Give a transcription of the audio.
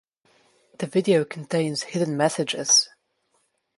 The video contains hidden messages.